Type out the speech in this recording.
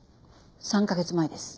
３カ月前です。